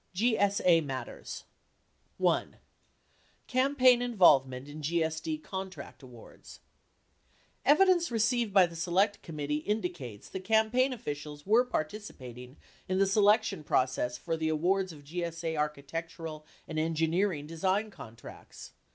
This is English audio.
97 D. GSA Matters 1. CAMPAIGN INVOLVEMENT IN GSA CONTRACT AWARDS Evidence received by the Select Committee indicates that campaign officials were participating in the selection process for the awards of GSA architectural and engineering design contracts.